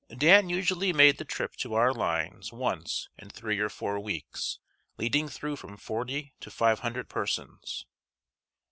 Dan usually made the trip to our lines once in three or four weeks, leading through from forty to five hundred persons.